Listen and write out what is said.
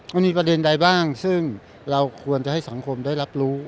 มันมีประเด็นใดบ้างซึ่งเราควรจะให้สังคมได้รับรู้